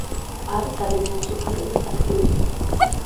არის ადამიანის უფლებების აქტივისტი.